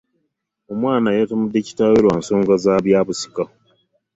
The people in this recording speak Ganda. Omwana yatemudde kitaawe lwa nsonga zabyabusika.